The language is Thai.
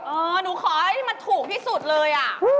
เออหนูขอให้มันถูกที่สุดเลย